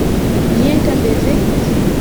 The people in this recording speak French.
Rien qu’un baiser ?